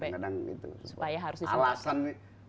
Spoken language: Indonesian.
supaya harus disempat alasan nih